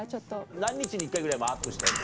何日に１回ぐらいアップしてるの？